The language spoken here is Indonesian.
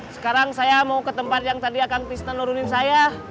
sekarang saya mau ke tempat yang tadi akan kristen nurunin saya